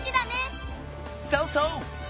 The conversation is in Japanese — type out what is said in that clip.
そうそう！